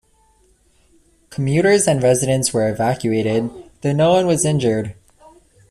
Commuters and residents were evacuated, though no-one was injured.